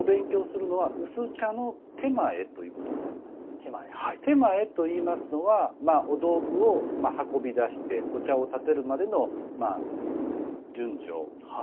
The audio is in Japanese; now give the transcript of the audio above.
点前といいますのはまあお道具を運び出してお茶を点てるまでの順序動作。